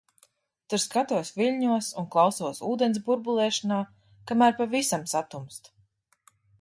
Tur skatos viļņos un klausos ūdens burbulēšanā, kamēr pavisam satumst.